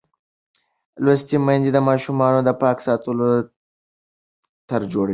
لوستې میندې د ماشومانو د پاک ژوند طرز جوړوي.